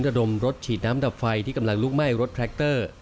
ระดมรถฉีดน้ำดับไฟที่กำลังลุกไหม้รถแทรคเตอร์